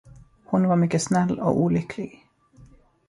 Hon var mycket snäll och olycklig.